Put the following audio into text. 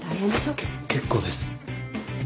け結構です。